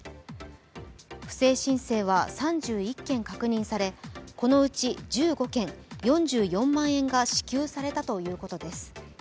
不正申請は３１件確認されこのうち１５件４４万円が支給されたということです。